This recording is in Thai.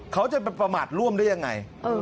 เขาจะไปประมาทร่วมได้ยังไง